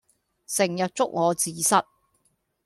成日捉我字蝨